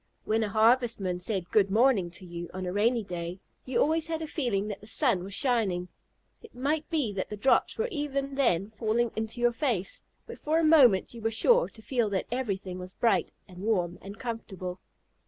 When a Harvestman said "Good morning" to you on a rainy day, you always had a feeling that the sun was shining. It might be that the drops were even then falling into your face, but for a moment you were sure to feel that everything was bright and warm and comfortable.